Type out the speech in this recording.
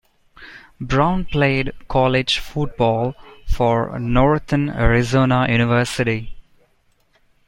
Brown played college football for Northern Arizona University.